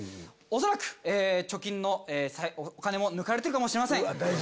恐らく貯金のお金も抜かれてるかもしれません。